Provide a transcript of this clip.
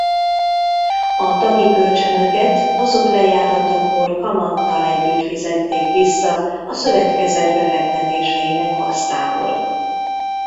A tagi kölcsönöket azok lejáratakor kamattal együtt fizették vissza a szövetkezet befektetéseinek hasznából.